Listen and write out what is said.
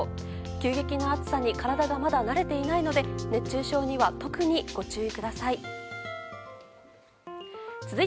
急激な暑さに体がまだ慣れていないので熱中症には特にご注意ください。